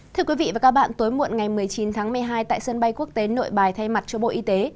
thưa quý vị và các bạn tối muộn ngày một mươi chín tháng một mươi hai tại sân bay quốc tế nội bài thay mặt cho bộ y tế